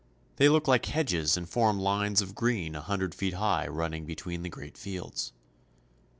They look like hedges, and form lines of green a hundred feet high running between the great fields.